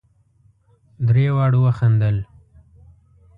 درې واړو وخندل.